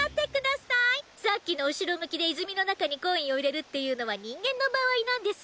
さっきの後ろ向きで泉の中にコインを入れるっていうのは人間の場合なんです。